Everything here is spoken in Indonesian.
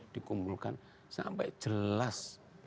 dikumpulkan sampai jelas